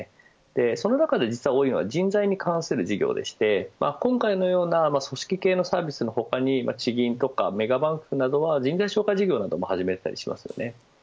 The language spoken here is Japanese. その中で多いのは人材に関する事業でして今回のような組織系のサービスの他に地銀やメガバンクなどは人材紹介事業なども始めたりしています。